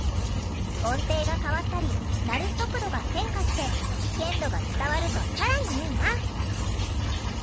音程が変わったり鳴る速度が変化して危険度が伝わると更にいいな」。